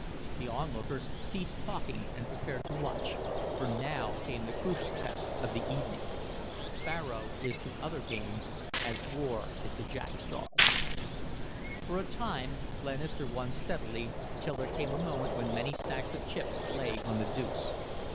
The on lookers ceased talking and prepared to watch, for now came the crucial test of the evening. Faro is to other games as war is to jackstraws. For a time Glenister won steadily till there came a moment when many stacks of chips lay on the deuce.